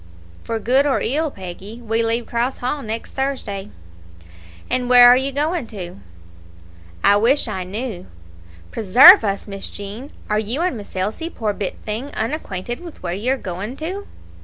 "For good or ill, Peggy, we leave Cross Hall next Thursday." "And where are you going to?" "I wish I knew." "Preserve us, Miss Jean! Are you and Miss Elsie, poor bit thing, unacquainted with where you are going to?"